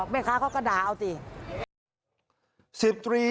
แม่ค้าก็ด่าแล้วสิ